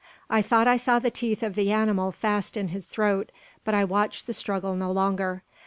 I thought I saw the teeth of the animal fast in his throat, but I watched the struggle no longer.